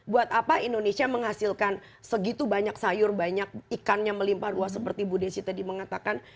buat apa indonesia menghasilkan segitu banyak sayur banyak ikannya melimpah ruah seperti bu desi tadi mengatakan